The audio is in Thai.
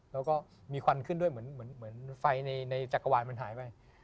แล้วก็มีควันขึ้นด้วยเหมือนไฟในจักรวาลมันหายไป